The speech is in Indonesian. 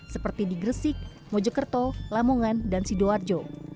seperti di gresik mojokerto lamongan dan sidoarjo